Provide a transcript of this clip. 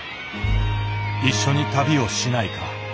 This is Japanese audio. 一緒に旅をしないか。